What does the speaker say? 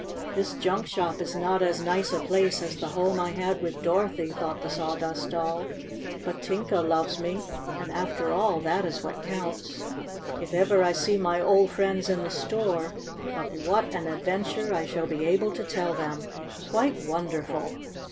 "This junk shop is not as nice a place as the home I had with Dorothy," thought the Sawdust Doll. "But Tinka loves me, and, after all, that is what counts. If ever I see my old friends in the store, of what an adventure I shall be able to tell them ! Quite wonderful!